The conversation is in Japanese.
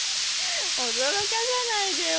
驚かさないでよ